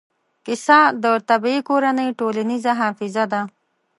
کیسه د طبعي کورنۍ ټولنیزه حافظه ده.